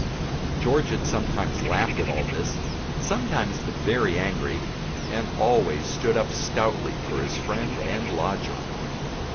George had sometimes laughed at all this, sometimes been very angry, and always stood up stoutly for his friend and lodger.